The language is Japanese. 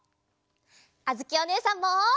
あづきおねえさんも！